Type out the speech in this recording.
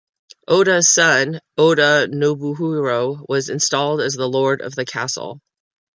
Oda's son, Oda Nobuhiro, was installed as the lord of the castle.